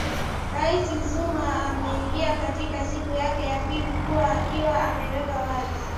rais zuma ameingia katika siku yake ya pili huku akiwa ameweka wazi